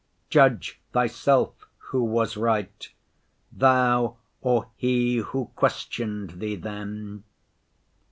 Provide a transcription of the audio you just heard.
" 'Judge Thyself who was right—Thou or he who questioned Thee then?